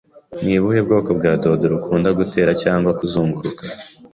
Ni ubuhe bwoko bwa deodorant ukunda, gutera cyangwa kuzunguruka?